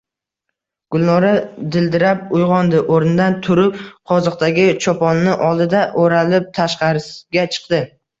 Gulnora dildirab uygʼondi. Oʼrnidan turib, qoziqdagi choponni oldida, oʼralib tashqariga chiqdi.